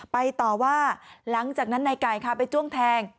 ต่อว่าหลังจากนั้นนายไก่ค่ะไปจ้วงแทง